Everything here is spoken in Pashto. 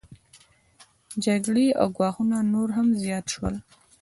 جګړې او ګواښونه نور هم زیات شول